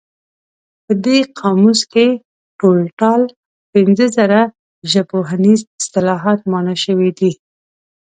په دې قاموس کې ټول ټال پنځه زره ژبپوهنیز اصطلاحات مانا شوي دي.